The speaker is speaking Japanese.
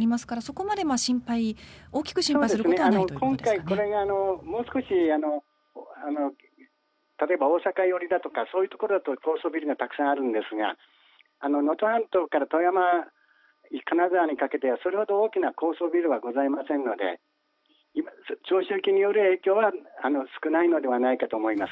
今回、これがもう少し例えば大阪寄りだとかそういうところだと高層ビルがたくさんあるんですが能登半島から富山、金沢にかけてはそれほど大きな高層ビルはございませんので長周期による影響は少ないのではないかと思います。